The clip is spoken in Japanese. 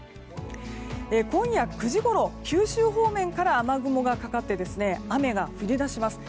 今夜９時ごろ九州方面から雨雲がかかって雨が降り出します。